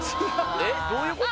えっどういう事？